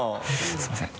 すみません。